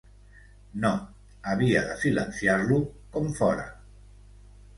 No, havia de silenciar-lo, com fóra.